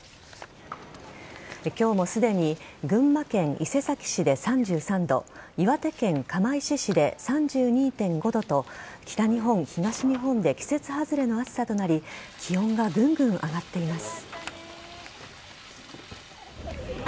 今日もすでに群馬県伊勢崎市で３３度岩手県釜石市で３２．５度と北日本、東日本で季節外れの暑さとなり気温がぐんぐん上がっています。